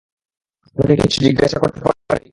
আপনাকে কিছু জিজ্ঞাসা করতে পারি?